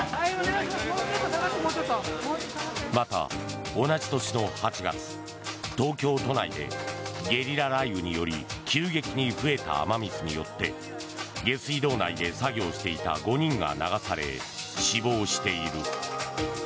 また、同じ年の８月東京都内でゲリラ雷雨により急激に増えた雨水によって下水道内で作業していた５人が流され死亡している。